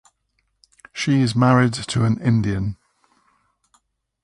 She is married to an Indian.